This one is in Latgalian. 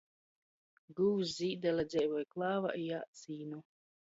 Gūvs Zīdale dzeivoj klāvā i ād sīnu.